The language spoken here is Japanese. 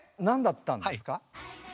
何だったんですか？